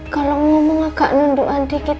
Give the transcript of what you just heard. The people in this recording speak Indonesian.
kalau ngomong agak nunduan dikit